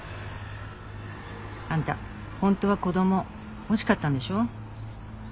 あんた本当は子供欲しかったんでしょ？